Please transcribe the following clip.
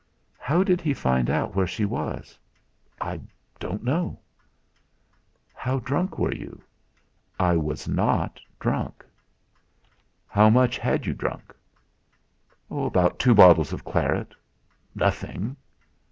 "How did he find out where she was?" "I don't know." "How drunk were you?" "I was not drunk." "How much had you drunk?" "About two bottles of claret nothing."